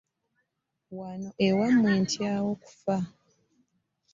Wano ewammwe ntyawo okufa!